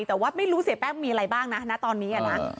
แต่ว่าไม่รู้เสียแป๊กมีอะไรบ้างนะนะตอนนี้อ่ะนะเออ